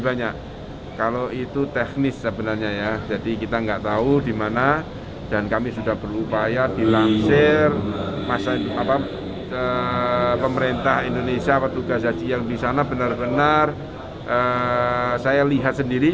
masa itu pemerintah indonesia petugas haji yang di sana benar benar saya lihat sendiri